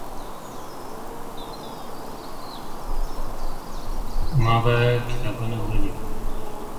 زه به کتابونه وړلي وي